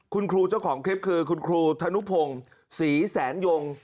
คุณครูเจ้าของคลิปคือคุณครูธนุพงศ์ศรีแสนยง